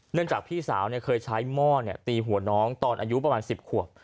จากพี่สาวเคยใช้หม้อตีหัวน้องตอนอายุประมาณ๑๐ขวบ